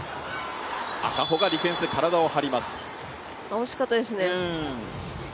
惜しかったですね。